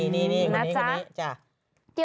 นี่คนนี้จ้ะ